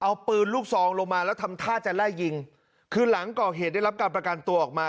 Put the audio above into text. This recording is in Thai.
เอาปืนลูกซองลงมาแล้วทำท่าจะไล่ยิงคือหลังก่อเหตุได้รับการประกันตัวออกมา